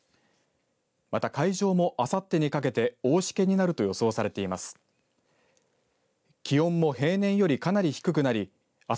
また海上もあさってにかけて大しけになると予想されています。